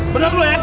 bener lu ya